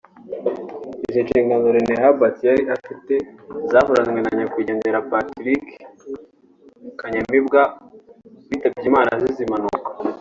Izi nshingano Rene Hubert yari afite zahoranywe na nyakwigendera Patrick Kanyamibwa witabye Imana azize impanuka